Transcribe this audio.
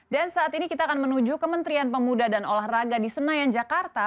dan saat ini kita akan menuju ke menterian pemuda dan olahraga di senayan jakarta